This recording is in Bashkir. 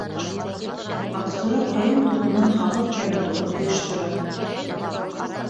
— Аҡсура ҡайын туҙынан һағыҙ ҡайнатыуҙы ойоштора.